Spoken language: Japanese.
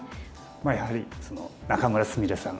やはり仲邑菫さん